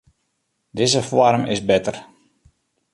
Dizze foarm is better.